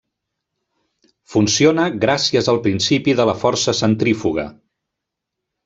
Funciona gràcies al principi de la força centrífuga.